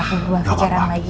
aku berubah kejaran lagi